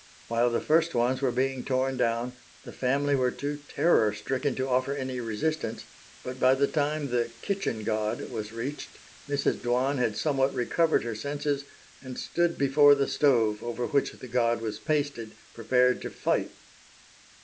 While the first ones were being torn down, the family were too terror stricken to offer any resistance, but by the time the "kitchen god" was reached Mrs. Dwan had somewhat recovered her senses and stood before the stove over which the god was pasted, prepared to fight.